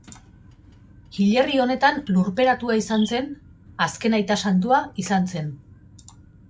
Hilerri honetan lurperatua izan zen azken aita santua izan zen.